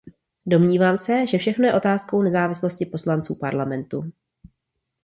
Domnívám se, že všechno je otázkou nezávislosti poslanců Parlamentu.